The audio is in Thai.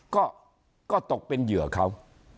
ก็ตกเป็นเหยื่อเขา